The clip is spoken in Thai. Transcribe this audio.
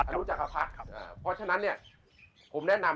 อยู่หลานเลยน่ะ